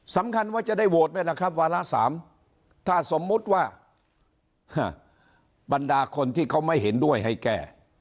สำคัญว่าจะได้โหวตไหมล่ะครับวาระ๓ถ้าสมมุติว่าบรรดาคนที่เขาไม่เห็นด้วยให้แก้